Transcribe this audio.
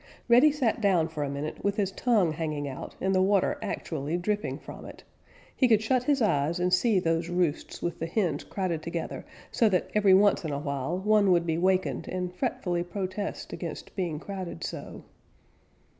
Reddy sat down for a minute with his tongue hanging out and the water actually dripping from it. He could shut his eyes and see those roosts with the hens crowded together so that every once in a while one would be wakened and fretfully protest against being crowded so.